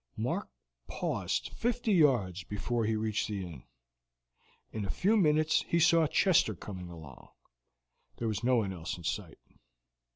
Mark paused fifty yards before he reached the inn. In a few minutes he saw Chester coming along. There was no one else in sight.